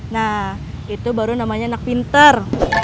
nah itu baru namanya anak pintar